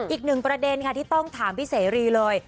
อีกหนึ่งประเด็นค่ะที่ต้องถามพี่เสรีเลย